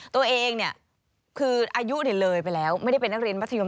ตัวเองเนี่ยคืออายุเลยไปแล้วไม่ได้เป็นนักเรียนมัธยม